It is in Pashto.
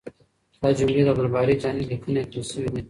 دا جملې د عبدالباري جهاني له لیکنې اخیستل شوې دي.